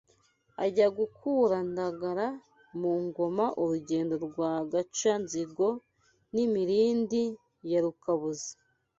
Ajya gukura Ndagara mu ngoma Urugendo rwa Gaca-nzigo N’imirindi ya Rukabuza